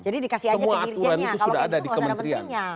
jadi dikasih aja ke dirjennya kalau itu nggak usah ada menterinya